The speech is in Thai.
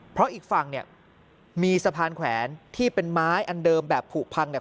เพราะอีกฝั่งเนี่ยมีสะพานแขวนที่เป็นไม้อันเดิมแบบผูกพังเนี่ย